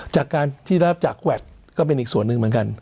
จากการที่รับจากแวดก็เป็นอีกส่วนหนึ่งเหมือนกัน